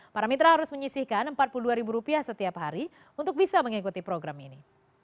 para mitra harus menyisihkan rp empat puluh dua setiap hari untuk bisa mengikuti program ini